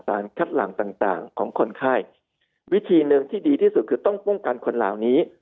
คัดหลังต่างต่างของคนไข้วิธีหนึ่งที่ดีที่สุดคือต้องป้องกันคนเหล่านี้